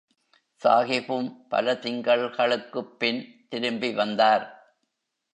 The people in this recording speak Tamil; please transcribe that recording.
சாகிபும் பல திங்கள்களுக்குப்பின் திரும்பி வந்தார்.